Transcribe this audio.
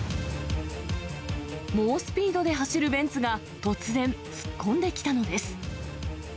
猛スピードで走るベンツが突然、突っ込んできたのです。